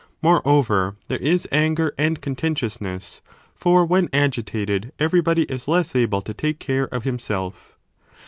Moreover, there is anger and contentiousness, for when agitated everybody is less able to take care of himself.